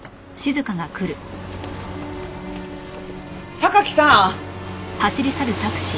榊さん！